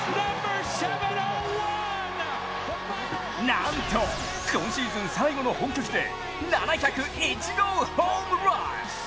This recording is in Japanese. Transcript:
なんと今シーズン最後の本拠地で７０１号ホームラン。